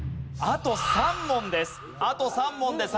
あと３問で３人。